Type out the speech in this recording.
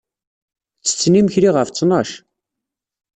Ttetten imekli ɣef ttnac.